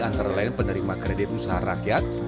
antara lain penerima kredit usaha rakyat